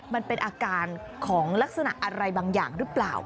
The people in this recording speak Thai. มันเป็นอาการของลักษณะอะไรบางอย่างหรือเปล่า